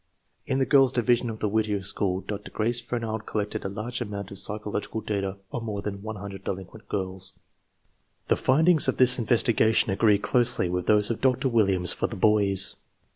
In the girls* division of the Whittier School, Dr. Grace Fernald collected a large amount of psychologi cal data on more than 100 delinquent girls. The findings of this investigation agree closely with those of Dr. Williams for the boys.